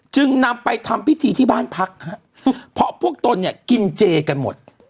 จึงนำไปทำพิธีที่บ้านพักฮะเพราะพวกตนเนี่ยกินเจกันหมด